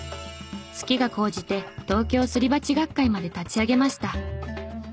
好きが高じて東京スリバチ学会まで立ち上げました。